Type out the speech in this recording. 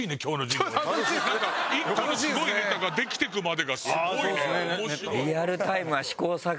１個のすごいネタができていくまでがすごいね。